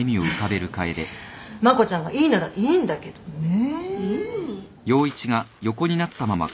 まこちゃんがいいならいいんだけどね。